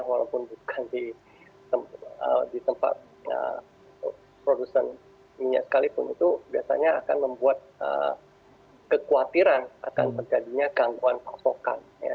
walaupun bukan di tempat produsen minyak sekalipun itu biasanya akan membuat kekhawatiran akan terjadinya gangguan pasokan